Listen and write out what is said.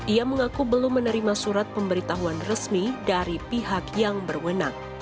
ia mengaku belum menerima surat pemberitahuan resmi dari pihak yang berwenang